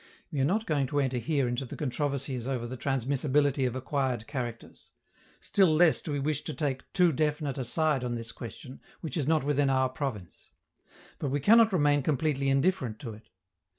We are not going to enter here into the controversies over the transmissibility of acquired characters; still less do we wish to take too definite a side on this question, which is not within our province. But we cannot remain completely indifferent to it.